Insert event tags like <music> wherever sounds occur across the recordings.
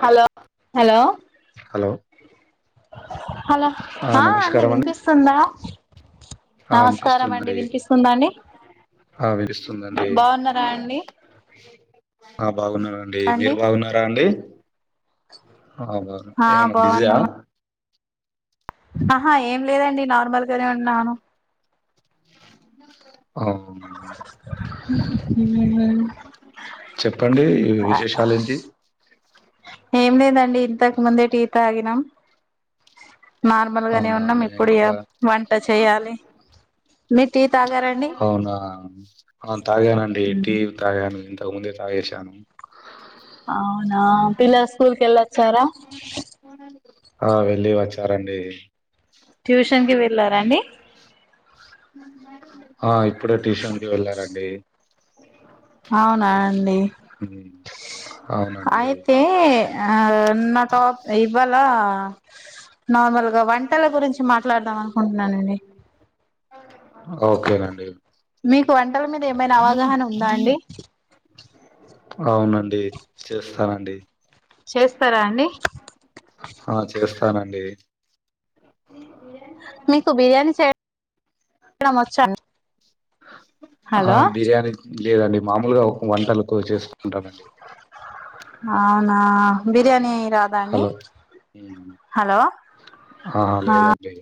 Hello hello hello hello ఆ అండి వినిపిస్తుందా ఆ నమస్కారం అండి వినిపిస్తుంది వినిపిస్తుందా అండి ఆ వినిపిస్తుందండి బాగున్నారా అండి ఆ బాగున్నరండి అండి మీరు బాగున్నారా అండి అవున ఆ ఏం అన బిజీ ఆ బాగున్నామ ఆహా ఏం లేదండి నార్మల్గానే ఉన్నాను ఆ ఉమ్ చెప్పండి ఈ విశేషాలు ఏంటి ఏం లేదండి ఇంతకు ముందే టీ తాగినం నార్మల్ గానే అవునా ఉన్నాం మేము ఇప్పుడు కూడా వంట చేయాలి మీరు టీ తాగారండి అవునా ఆ తాగనండి టీ తాగాను ఇంతకు ముందే తాగేషాను అవునా పిల్లలు స్కూల్ కెల్లోచ్చరా ఆ వెళ్ళి వచ్చారండి ట్యూషన్ కి వెళ్ళారండి ఆ ఇప్పుడే ట్యూషన్ కి వెళ్లారండి అవునా అండి హూమ్ అయితే ఆ నా టాప్ ఇవ్వాల నార్మల్గ వంటల గురించి మాట్లాడదాం అనుకుంటున్నానండి ఓకేనండి మీకు వంటల మీద ఏమైనా అవగాహన ఉందా అండి అవునండి చేస్తానండి చేస్తారా అండి ఆ చేస్తానండి మీకు బిర్యానీ చేయడం వచ్చా అ <inaudible> ఆ బిర్యానీ లేదండి మామూలుగా వంటలకు చేసుకుంటానండి అవునా బిర్యానీ రాదా అండి హలో హలో ఆ లేదండి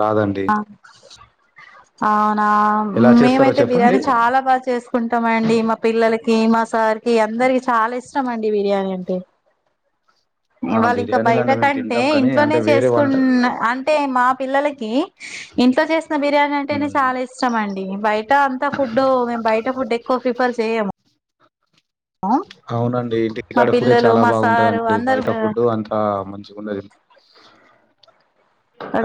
రాదండి ఆ ఆ ఆ ఎలా చేస్తారో మేమైతే చెప్పండి బిర్యానీ చాలా బాగా చేసుకుంటాం అండి మా పిల్లలకి మా సార్ కి అందరికి చాలా ఇష్టం అండి బిర్యానీ అంటే ఆ ఇవాళ్ళ ఇంకా బయట బిర్యానీలండి మేము కంటే తింటాం కానీ ఇంట్లోనే అంటే వేరే వంట చేసుకున్న అంటే మా పిల్లలకి ఇంట్లో చేసిన బిర్యానీ అంటేనే ఉమ్. చాలా ఇష్టం అండి బయట అంత ఫుడ్ మేం బయట ఫుడ్ ఎక్కువ ప్రిఫర్ చేయము అవునండి మా ఇంటికాడ ఫుడ్డే పిల్లలు చాలా మా సారు బాగుంటదండి అందరు బయట ఫుడ్డు అంతా మంచిగ ఉండదు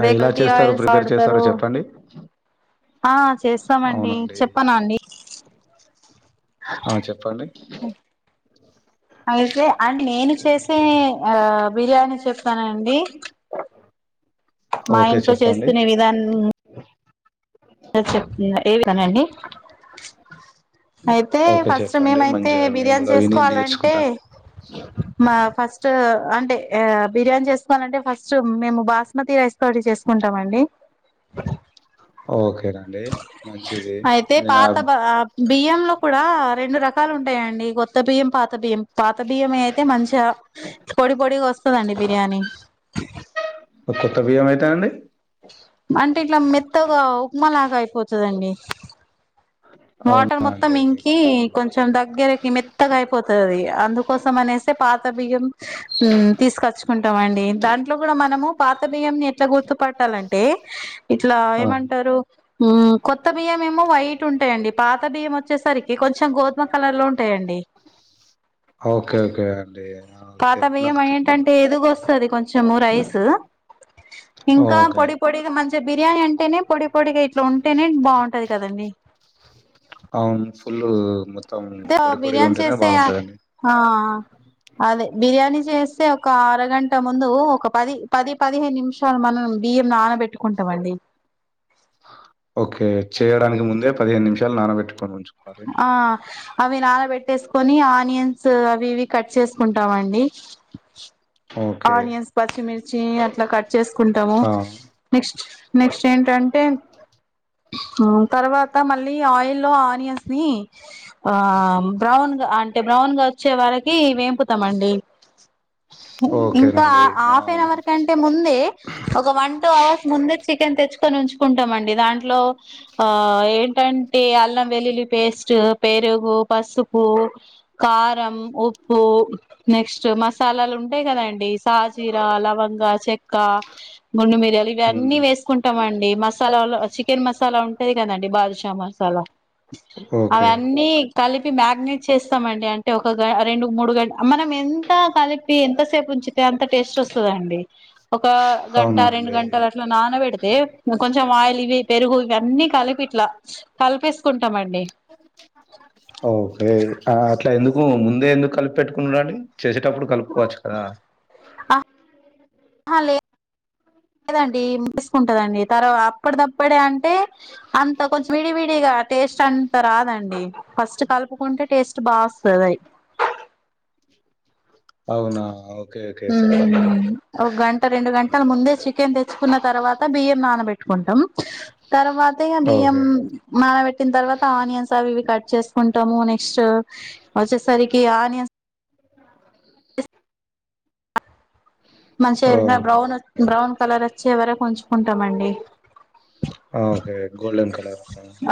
ఆ ఎలా కల్తీ చేస్తారు ఆయిల్స్ ప్రిపేర్ వాడతారు చేస్తారో చెప్పండి ఆ చేస్తామండి అవునండి చెప్పనా అండి ఆ చెప్పండి అయితే అండ్ నేను చేసే ఆ బిర్యానీ చెప్తానండి మా ఓకే ఇంట్లో చెప్పండి చేసుకునే విధాన్ ఏ వినండి అయితే ఓకే ఫస్ట్ చెప్పండి మేమైతే మంచిగా మేము బిర్యానీ కూడా విని చేసుకోవాలంటే నేర్చుకుంటా మా ఫస్ట్ అంటే బిర్యానీ చేసుకోవాలంటే ఫ స్ట్ మేము బాస్మతి రైస్ తోటి చేసుకుంటామండి ఓకేనండి మంచిది అయితే మీ- ఆ, పాత బ బియ్యంలో కూడా రెండు రకాలు ఉంటాయండి కొత్త బియ్యం పాత బియ్యం పాత బియ్యం అయితే మంచిగా పొడి పొడి వస్తదండి బిర్యా నీ కొత్త బియ్యం అయితే నండి అంటే ఇట్లా మెత్తగా ఉప్మాలాగా అయిపోతదండి వాటర్ అవునా మొత్తం అండి ఇంకి ఆ కొంచెం దగ్గరకి మెత్తగా అయిపోతది అది అందుకోసం అనేసి పాత బియ్యం ఉమ్ తీసుకొచ్చుకుంటాం అండి దాంట్లో కూడా మనము పాత బియ్యంని ఎట్లా గుర్తుపట్టాలంటే ఇట్లా ఆ, ఏమంటారు ఉమ్ కొత్త బియ్యం ఏమో వైట్ ఉంటాయండి పాత బియ్యం వచ్చేసరికి కొంచెం గోధుమ కలర్ లో ఉంటాయండి ఓకే ఓకే అండి ఆ, పాత ఓకే బియ్యం నాకు తె- ఏంటంటే ఎదిగొస్తది కొంచము రైస్ ఇంకా ఓకే పొడి పొడిగా మంచిగా బిర్యానీ అంటేనే పొడి పొడిగా ఇట్లా ఉంటేనే బాగుంటది కదండి అవును ఫుల్లు మో తే ఆ బిర్యానీ చేస్తే ఆ అదే బిర్యానీ చేస్తే ఒక అరగంట ముందు ఒక పది పది పదిహేను నిమిషాలు మనం బియ్యం నానబెట్టుకుంటాం అండి ఓకే చేయడానికి ముందే పదిహేను నిమిషాలు నానబెట్టుకోవాలీ కొంచెం ఆ అవి నానబెట్టేసుకొని ఆ నియన్స్ అవి ఇవి కట్ చేసుకుంటాం అండి ఓకే ఆనియన్స్ పచ్చిమిర్చి అట్లా కట్ చేసుకుంటాము ఆ నెక్స్ట్ నెక్స్ట్ ఏంటంటే ఉమ్ తర్వాత మళ్ళీ ఆయిల్లో లో ఆనియన్స్ ని ఆ బ్రౌన్ గా అంటే బ్రౌన్ గా వచ్చే వారికి వేంపుతాం అండి ఇంకా ఓకేనండి ఆపేయాలి అవును అని కంటే ముందే ఒక వన్ టూ అవర్స్ ముందే చికెన్ తెచ్చుకొని ఉంచుకుంటాం అండి దాంట్లో ఆ ఏంటంటే అ వెల్లుల్లి పేస్ట్ పెరుగు పసుపు కారం ఉప్పు నెక్స్ట్ మసాలాలు ఉ అంతే కదండి సాజీరా లవంగా చెక్క గుండు మిరియాలు ఇవన్నీ ఉమ్, వేసుకుంటామండి అండి మసాలాలో చికెన్ మసాలా ఉంటది కదండి బాద్షా మసాలా అవి ఓకే అన్ని కలిపి మ్యారినేట్ చేస్తామండి అంటే ఒక గ రెండు మూడు గంట మనం ఎంత కలిపి ఎంత సేపు ఉంచితే అంత టేస్ట్ వస్తదండి ఒక గంట రెండు అవునండి గంటలు అట్లా నానబడితే కొంచెం ఆయిల్ ఇవి పెరుగు ఇవి అన్నీ కలిపిట్లా కలిపేసుకుంటామండి ఓకే అట్లా ఎందుకు ముందే ఎందుకు కలిపి పెట్టుకున్నాడండి చేసేటప్పుడు కలుపుకోవచ్చు కదా అ లేదండి తీసుకుంటదండి తర్వా అప్పటి తప్పుడే అంటే అంత కొంచెం విడి విడిగా టేస్ట్ అంత రాదండి ఫస్ట్ కలుపుకుంటే టేస్ట్ బా వస్తది అవునా ఓకే ఓకే చెప్పండి ఒ గంట రెండు గంటల ముందే చికెన్ తెచ్చుకున్న తర్వాత బియ్యం నానబెట్ ట్టుకుంటాం తర్వాత ఇగ బియ్యం ఓకే నానబెట్టిన తర్వాత ఆనియన్స్ అవి ఇవి కట్ చేసుకుంటాము నెక్స్ట్ వచ్చేసరికి ఆని మంచి ఎరినా ఓకే బ్రౌన్ బ్రౌన్ కలర్ వచ్చే వరకు ఉంచుకుంటామండి ఓకే గోల్డెన్ కలర్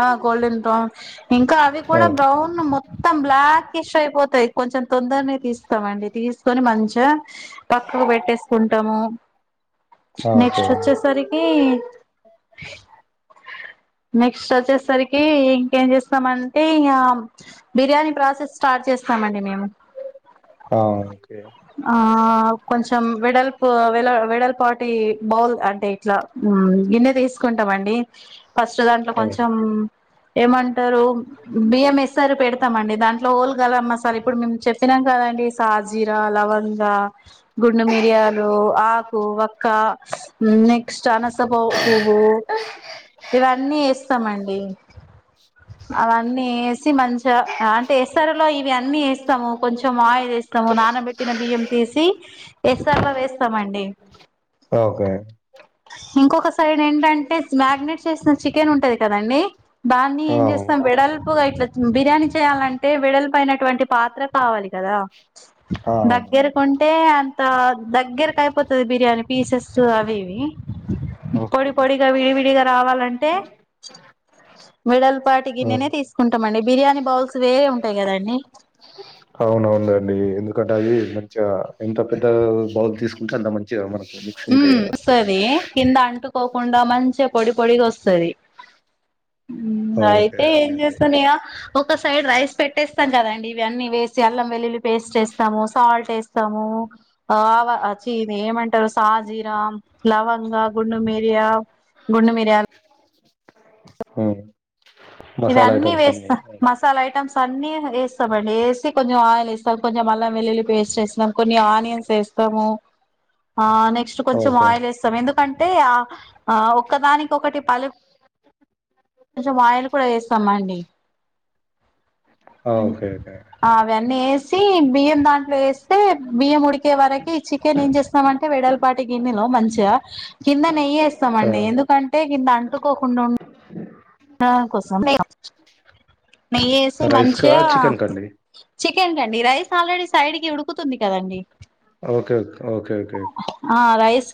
ఆ గోల్డెన్ బ్రౌన్ ఇంకా అవి కూడ ఓకే బ్రౌన్ మొత్తం బ్లాకిష్ అయిపోతాయి కొంచెం తొందరనే తీస్తామండి తీసుకొని మంచిగా పక్కకు పెట్ ఓకే నెక్స్ట్ వచ్చేసరికి నెక్స్ట్ ఓచ్చేసరికి ఇంకేం చేస్త టే ఇగ బిర్యానీ ప్రాసెస్ స్టార్ట్ చేస్తామండి మేము ఆ ఓకే ఆ కొం వెడల్పు వె వెడల్పాటి బౌల్ అంటే ఇట్లా ఇన్న తీసుకుంటాండి ఫస్ట్ దాంట్లో కొంచెం ఆ, ఏమంటారు బియ్యం ఎస్ఆర్ పెడతామండి దాంట్లో ఓల్ గరంమసాలా సార్ ఇప్పుడు మేము చెప్పినాక సాజిరా లవంగా పుండుమిరియాలు ఆకు వక్క నెక్స్ట్ అనసపు పువ్వు ఇవన్నీ వేస్తామండి అవన్నీ వేసి మంచిగా అంటే ఎసరులో ఇవి అన్నీ వేస్తాము కొంచెం అయి నానబెట్టిన బియ్యం తీసి ఎసర్లో వేస్తామండి ఓకే ఇంకొక సైడ్ ఏంటంటే మ్యాగ్నేెట్ చికెన్ ఉంటది కదండి దాన్ని ఆ ఏంచేస్తాం వెడల్పుగా ఇట్ల బిర్యాని చేయ్యాలంటే వెడల్పు ఐనటువంటి పాత్ర కావాలి కదా ఆ అవును దగ్గర కొంటే అ ఆ దగ్గరకి అయిపోతది బిర్యానీ పీసెస్ అవి ఇవి పొడి ఓకే పొడిగా విడివిడిగా రావాలంటే వేడల్ పార్టి ఆ గిన్నెనే తీసుకుంటాం అండి బిర్యానీ బౌల్స్ వేరే ఉంటాయి కదండి అవునవును నండి ఎందుకంటే అది మంచిగా ఎంత పెద్ద బౌల్ తీసుకుంటే అంత మంచిగా మన ఉ సరే కింద అంటు పోకుండ మంచిగా పొడి పొడిగా ఒస్తుది ఓకే అయితే ఓకే ఏం అండి చేస్తున్నాయా ఒక సైడ్ రైస్ పెట్టేస్తాం కదండి ఇవి అన్నీ వేసి అల్లం వెల్లులి పే <inaudible> సాజీర లవంగ గుండు మిరియా గుడు మిరియా హ ఇవన్నీ వేస్త మసాలా ఐటమ్స్ అన్ని వేస్తామండి వేసి కొంచెం ఆయిల్ ఎస్తాం కొంచెం మల్లం వెల్లుల్లి పేస్ట్ వేస్తాం కొంచెం ఆనియన్స్ వేస్తాము ఆ నెక్స్ట్ కొంచెం ఓకే ఆయిల్ వేస్తాం ఎందుకంటే ఆ ఆ ఒక్కదానికి ఒకటి <unintelligible> <unintelligible> చేస్తమండి ఆ, ఓకే ఓకే ఆ అవన్నీ ఏసి బియ్య దాంట్లో వేస్తే బియ్యం ఉడికే వరకి చికెన్ ఏం చేసు అంటే వేడలపాటి గిన్నెలో మంచిగా కింద నెయ్యి ఎస్తామండి ఎందుకంటే <unintelligible> కోసం నెయ్యేసి రైస్ కా మంచిగా చికెన్ కండి చికెన్ రైస్ ఆల్రెడీ సైడ్ కి ఉడుకుతుంది కదండి ఓకేే ఓకే ఓకే ఆ రైస్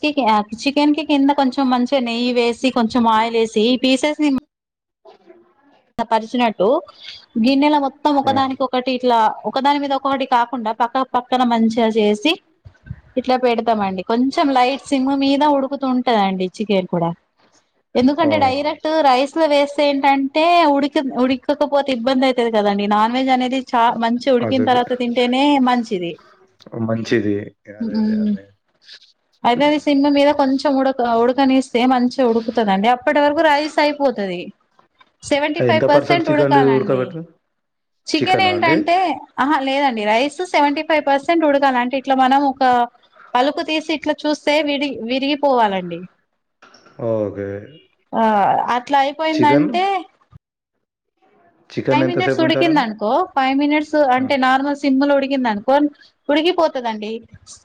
చికెన్ కి కింద కొంచెం మంచిగా నెయ్యి వేసి కొంచెం ఆయిల్ వేసి ఈ పీసెస్ ని ఓకే <unintelligible> పరిసినట్టు గిన్నెలో మొత్తం ఆ, ఒకదానికి ఒకటి ఇట్లా ఒకదాని మీద ఒకటి కాకుండా పక్క పక్క పక్కన మంచిగా చేసి ఇట్లా పెడతామండి కొంచెం లైట్ సిమ్ మీద ఉడుకుతూంటదండి చికెన్ కూడా ఆ, ఎందుకంటే డైరెక్ట్ రైస్ లో వేస్తే ఏంటంటే ఉడికి ఉడికకపోతే ఇబ్బంది అయితది కదండి నాన్ వెెజ్ అనేది చా మంచి అదే ఉడికిన అదే తర్వాత తింటేనే మంచిది మంచిది మ్మ్ అయితే అది సిమ్ము మీద కొంచెం ఉడక ఉడకనిస్తే మంచిగా ఉడుకుతుందిండి అప్పటి వరకు రైస్ అయిపోతుంది సెవెంటీ ఫైవ్ ఎంత పర్సెంట్ చికెన్ ఉడకాలండి ఉడకబెట్టిన చికెన్ చికెనా అండి ఏంటంటే ఆహా లేదండి రైస్ సెంటిఫైవ్ పర్సంటేజ్ ఉడకాల అంటే ఇట్లా మనం ఒక పలుకు తీసి ఇట్లా చూస్తే విరి విరిగిపోవాలండి ఓకే ఆ అట్లా చికెన్ అయిపోయిందంటే చికెన్ ఫైవ్ మినిట్స్ ఎంతసేపు ఉంచాలని ఉడికిందనుకో ఫైవ్ మినిట్స్ అంటే నార్మల్ సిమ్ల్ ఉడి ఉడికిపోతదండి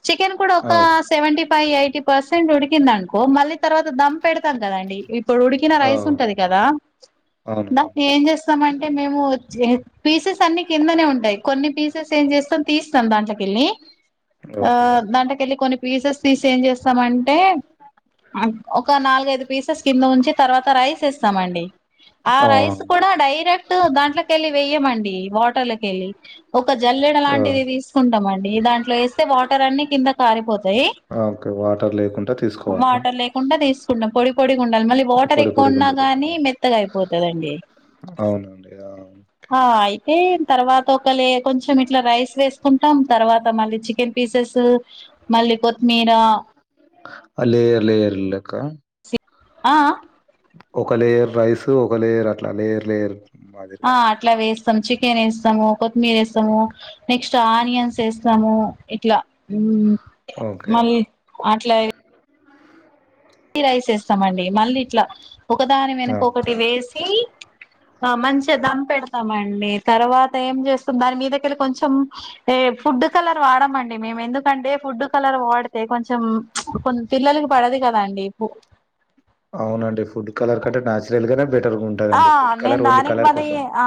చికెన్ కూడా ఆ ఒక సెవెంటీ ఫైవ్ ఎయిటీ పర్సెంట్ ఉడికిందను మళ్ళీ తర్వాత దమ్ పెడతాం కదండి ఇప్పుడు ఉడికిన ఆ రైస్ ఉంటది కదా అవును నాకు ఏం చేస్తామం పీసెస్ అన్ని కిందనే ఉంటాయి కొన్ని పీసెస్ ఏం చేస్తాం తీస్తాం దాంట్లో కెళ్ళి ఆ ఓకే దాంట్లకెళ్లి కొన్ని పీసెస్ తీసి ఏం చేస్తామంటే ఒక నాలుగైదు పీసెస్ కింద ఉంచి తర్వాత రైస్ ఇస్తామండి ఆ రైస్ కూడా డైరెక్ట్ దాంట్లోకి వెళ్ళి వెయమండి వాటర్లకెళ్ళి ఒక జల్లెడ ఆ లాంటిది తీసుకుంటాండి దాంట్లో వేస్తే వాటర్ అన్ని కింద కారిపోత ఆ, ఓకే వాటర్ లేకుండా తీసుకోవాలి వాటర్ లేకుండా తీసుకుంటే పొడి డాలి మళ్ళీ వాటర్ పొడి ఎక్కువ పొడిగా ఉన్నా కానీ ఉండేటట్టు మెత్తగా అయిపోతుందండి అవునండి ఆ ఆ అయితే తర్వాత ఒకళ కొంచెం ఇట్లా రైస్ వేసుకుంటాం తర్వాత మళ్ళీ చికెన్ పీస్ మళ్ళీ కొత్తిమీర లేయర్ లేయర్ లెక్క ఆ ఒక లేయర్ రైస్ ఒక లేయర్ అట్లా లేయర్ లేయర్ ఆ మాదిరిగా అట్లా వేస్తాం చికెన్ వేస్ స్తాము కొత్తిమీర వేస్తాము నెక్స్ట్ ఆనియన్స్ వేస్తాము ఇట్లా ఓకే మళ్ళీ అట్లా రైస్ వేస్తామండి మళ్ళీ ఇట్లా ఒకదాని ఆ వెనుక ఒకటి వేసి ఆ మంచిగా దం పెడతామండి తర్వాత ఏం చేస్తాం దాని మీదకెళ్ళి కొంచెం ఏ ఫుడ్ కలర్ వాడమండి మేము ఎందుకంటే ఫుడ్ కలర్ వాడితే కొంచెం పిల్లలకి పడదు కదండి ఎపు అవునండి ఫుడ్ కలర్ కంటే నేచురల్ గానే బెటర్ గా ఆ ఉంటదండి ఫుడ్ నేను కలర్ ఓన్లీ దానికి కలర్ కోసం బదియ ఆ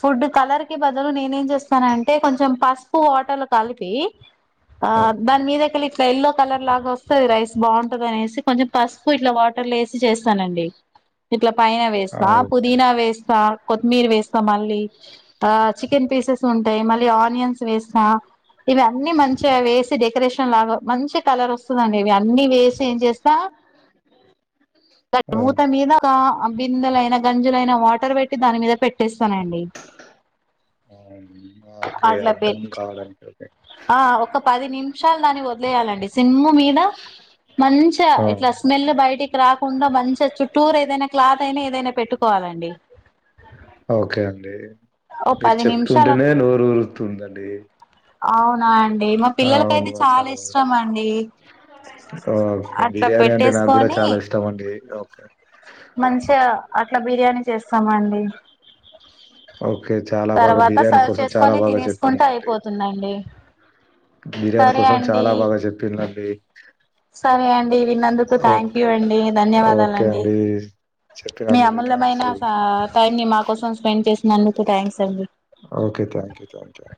ఫుడ్ కలర్ కి బది అందులు నేనే ఏం చేస్తాన అంటే కొంచెం పసుపు వాటర్ లో కలిపి ఆ ఓకే దానిమీద కెళ్ళి ఇట్లా ఎల్లో కలర్ లాగా వస్తుంది రైస్ బాగుంటది అనేసి కొంచెం పసుపు ఇట్లా వాట వేసి చేస్తానండి ఇట్లా పైన ఆ వేస్తా ఓకే పుదీనా వేస్తా కొత్తిమీర వేస్తా మళ్ళీ ఆ చికెన్ పీసెస్ మళ్లీ ఆనియన్స్ వేస్తా ఇవన్నీ మంచిగా వేసి డెకరేషన్ లాగా మంచి కలర్ వస్తుందండి ఇవి అన్నీ వేసి ఏం చేస్తా ఆ, మూత అవును. మీద బిందెలైన గంజులైన వాటర్ పెట్టి దాని మీద పెట్టేస్తానండి ఓకే ఆ అట్లా పె ధం కావాలంటది షాలు దాన్ని వదిలేయాలండి సిమ్ము మీద మంచిగ ఆ, ఇట్లా స్మెల్ బయటి రాకుండా మంచిగా చుట్టూరూ ఏదైనా క్లాత్ అయినా ఏదైనా పెట్టుకోవాలండి ఓకే అండి ఓ మీరు పది నిమిషాల చెప్తుంటేనే నోరు ఊరుతుందండి నా అండి మా అవును పిల్లలకైతే చాలా మసాలా ఇష్టం అండి ఓకే అట్లా బిర్యానీ అంటే నాక్కూడా పెట్టేసుకొని చాలా ఇష్టం అండి ఓకే మంచిగా అట్ల బిర్యానీ చేస్తామండి ఓకే చాలా బాగా తర్వాత బిర్యానీ సర్వ్ కోసం చాలా చేసుకొని బాగా తినేసుకుంటే చెప్పిండండి. అయిపోతుందండి బిర్యానీ సరే కోసం అండి చాలా బాగా చెప్పిందండి సరే అండి విన్నందుకు థ్యాంక్ యూ అండి ఓకే ధన్యవాదాలండి అండి. మీ చెప్పినందుకు అమూల్యమైన థ్యాంక్స్. సార్ టైమ్ ని మా కోసం స్పెండ్ చేసి నందుకు థ్యాంక్స్ అండి okay thank you thank you.